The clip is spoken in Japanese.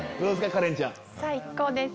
カレンちゃん。